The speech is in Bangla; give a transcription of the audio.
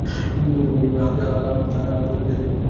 হাল শহরে জাতীয় গুরুত্বের বেশ কয়েকটি জাদুঘর রয়েছে।